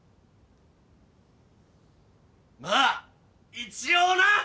まあ一応な！